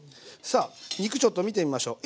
さあ肉ちょっと見てみましょう。